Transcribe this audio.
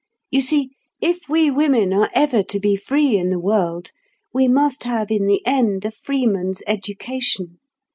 You see, if we women are ever to be free in the world, we must have in the end a freeman's education.